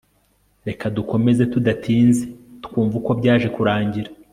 Reka dukomeze tudatinze twumve uko byaje kurangira